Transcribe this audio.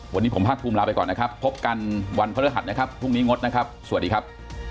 วันนี้ผมภาคภูมิลาไปก่อนนะครับพบกันวันพฤหัสนะครับพรุ่งนี้งดนะครับสวัสดีครับ